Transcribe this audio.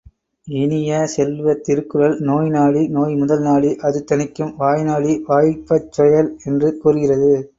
இனிய செல்வ, திருக்குறள், நோய்நாடி நோய்முதல் நாடி அதுதணிக்கும் வாய்நாடி வாய்ப்பச் செயல் என்று கூறுகிறது.